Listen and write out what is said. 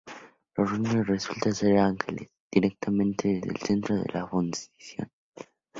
Los niños resultan ser ángeles, directamente desde el centro de la fundición...